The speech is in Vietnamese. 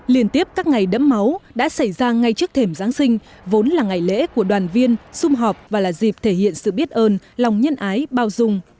liên tiếp các ngày đẫm máu đã xảy ra ngay trước thềm giáng sinh vốn là ngày lễ của đoàn viên xung họp và là dịp thể hiện sự biết ơn lòng nhân ái bao dung